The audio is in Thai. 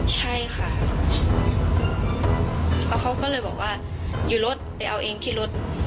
ใช่ค่ะแล้วเขาก็เลยบอกว่าอยู่รถไปเอาเองที่รถ